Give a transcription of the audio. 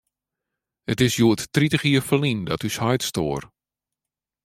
It is hjoed tritich jier ferlyn dat ús heit stoar.